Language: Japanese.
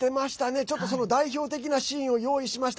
ちょっと、その代表的なシーンを用意しました。